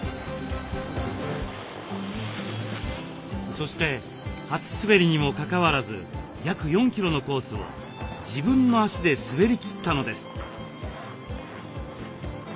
そして初滑りにもかかわらず約４キロのコースを自分の足で滑りきったのです。